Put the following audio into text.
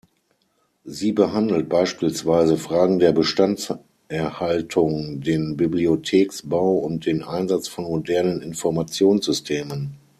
Sie behandelt beispielsweise Fragen der Bestandserhaltung, den Bibliotheksbau und den Einsatz von modernen Informationssystemen.